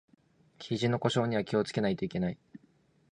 ひじの故障には気をつけないといけない